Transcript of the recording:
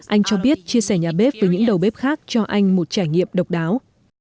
anh cho biết chia sẻ nhà bếp với những đầu bếp khác cho anh một trải nghiệm độc đáo